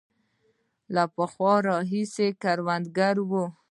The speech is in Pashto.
له پخوا راهیسې کروندګر وو.